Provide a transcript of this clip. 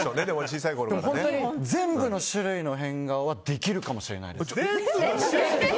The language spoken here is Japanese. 本当に全部の種類の変顔はできるかもしれないです。